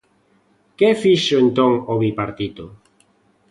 ¿Que fixo entón o Bipartito?